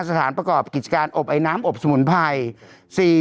สถานประกอบกิจการอบไอน้ำอบสมุนไพร